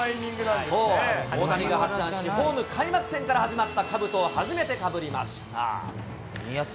そう、大谷が発案し、ホーム開幕戦から始まった、かぶとを初めてかぶりました。